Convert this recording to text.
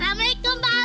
ya dapatlahmyang hype nya